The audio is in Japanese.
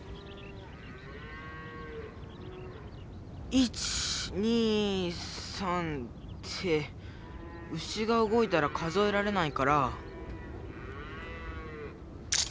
１２３って牛がうごいたら数えられないから。